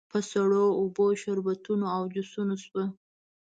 په سړو اوبو، شربتونو او جوسونو شوه.